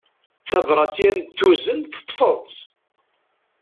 Tabrat i am-d-tuzen teṭṭfeḍ-tt.